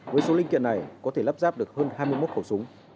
với số linh kiện này có thể lắp ráp được hơn hai mươi một khẩu súng